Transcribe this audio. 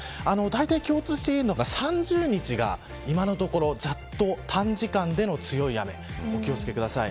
共通して言えるのが３０日が今のところざっと短時間での強い雨、お気を付けください。